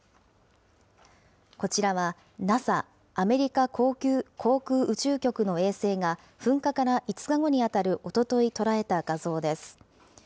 こちらは、ＮＡＳＡ・アメリカ航空宇宙局の衛星が、噴火から５日後に当たるおととい捉えた画像です。